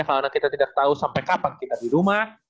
kalau kita tidak tau sampai kapan kita di rumah